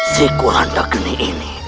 si kurandagini ini